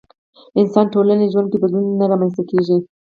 انسان ټولنه ژوند کې بدلون نه رامنځته کېږي.